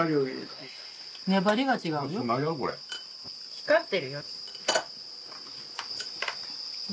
光ってるよ。